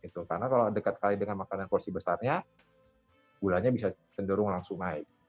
karena kalau dekat sekali dengan makanan porsi besarnya gulanya bisa cenderung langsung naik